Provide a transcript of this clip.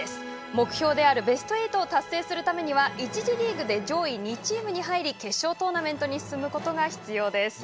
目標であるベスト８を達成するためには１次リーグで上位２チームに入り決勝トーナメントに進むことが必要です。